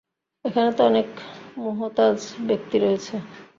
এখানে তো অনেক মুহতাজ ব্যক্তি রয়েছে।